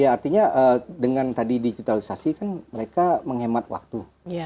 ya artinya dengan tadi digitalisasi kan mereka menghemat waktu